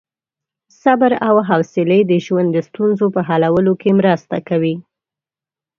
صبر او حوصلې د ژوند د ستونزو په حلولو کې مرسته کوي.